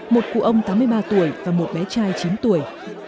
một cụ ông tám mươi ba tuổi và một bé trai chín tuổi